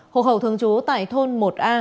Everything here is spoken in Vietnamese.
hộ khẩu thường trú tại thôn một a